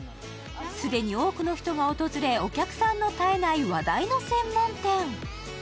既に多くの人が訪れお客さんの絶えない話題の専門店。